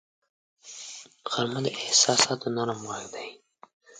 غرمه د احساساتو نرم غږ دی